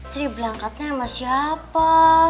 sini berangkatnya sama siapa